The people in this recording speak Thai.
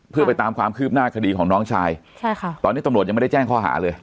เพื่อไปตามความคืบหน้าคดีของน้องชายใช่ค่ะตอนนี้ตำรวจยังไม่ได้แจ้งข้อหาเลย